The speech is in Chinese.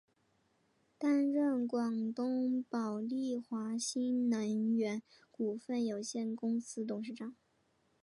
担任广东宝丽华新能源股份有限公司董事长。